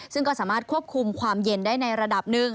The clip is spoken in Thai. ซึ่งก็สามารถควบคุมความเย็นได้ในระดับหนึ่ง